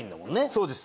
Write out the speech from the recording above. そうです。